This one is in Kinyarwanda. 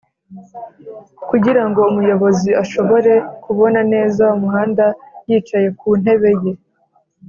kugirango umuyobozi ashobore kubona neza umuhanda yicaye ku ntebe ye.